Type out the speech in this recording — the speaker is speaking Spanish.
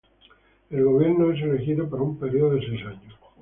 El gobierno es elegido para un periodo de seis años.